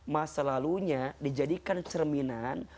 masa lalunya dijadikan cerminan